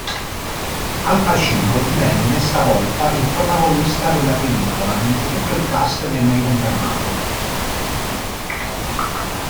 Al Pacino divenne stavolta il protagonista della pellicola, mentre tutto il cast venne riconfermato.